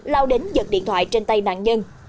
lao đến giật điện thoại trên tay nạn nhân